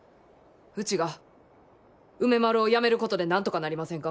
ウチが梅丸をやめることでなんとかなりませんか。